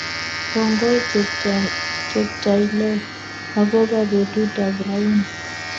Kongoi, cheptailel agoba betutab raini